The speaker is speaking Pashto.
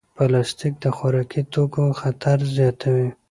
پلاستیک د خوراکي توکو خطر زیاتوي.